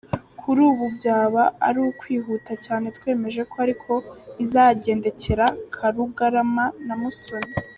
Kuri ubu byaba ari ukwihuta cyane twemeje ko ariko bizagendekera Karugarama na Musoni.